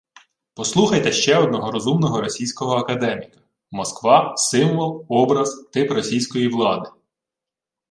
Послухайте ще одного розумного російського академіка: «Москва – Символ, Образ, Тип Російської влади